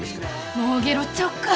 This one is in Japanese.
もうゲロっちゃおうか。